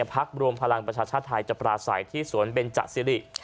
พักรวมพลังประชาชาติไทยจะปราศัยที่สวนเบนจสิริ